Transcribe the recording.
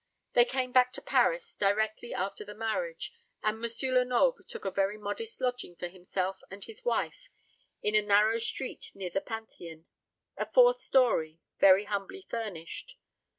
They came back to Paris directly after the marriage, and M. Lenoble took a very modest lodging for himself and his wife in a narrow street near the Pantheon a fourth story, very humbly furnished.